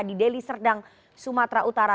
di deli serdang sumatera utara